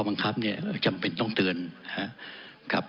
บังคับเนี่ยจำเป็นต้องเตือนนะครับ